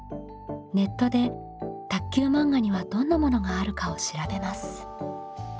ネットで卓球漫画にはどんなものがあるかを調べます。